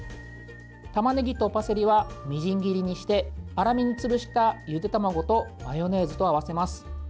たまねぎとパセリはみじん切りにして粗めに潰したゆで卵とマヨネーズと合わせます。